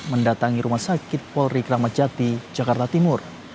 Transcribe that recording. mendatangi rumah sakit polri kramacati jakarta timur